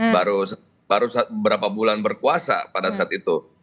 baru beberapa bulan berkuasa pada saat itu